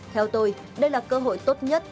theo tôi đây là cơ hội tốt nhất